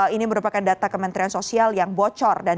ini merupakan data kementerian sosial yang bocor